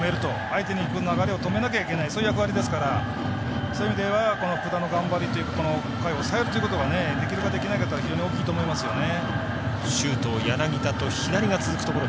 相手に行く流れを止めなきゃいけないそういう役割なのでそういう意味では、福田の頑張りこの回抑えるというのをできるかできないかは大きいと思いますよね。